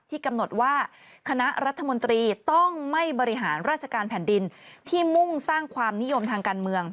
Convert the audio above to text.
กำหนดว่าคณะรัฐมนตรีต้องไม่บริหารราชการแผ่นดินที่มุ่งสร้างความนิยมทางการเมือง